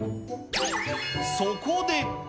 そこで。